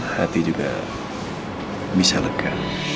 hati juga bisa lega